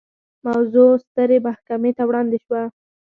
موضوع سترې محکمې ته وړاندې شوه.